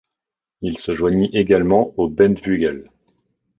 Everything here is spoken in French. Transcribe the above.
Il se joignit également aux Bentvueghels.